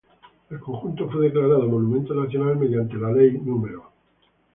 El conjunto fue declarado monumento nacional mediante la ley No.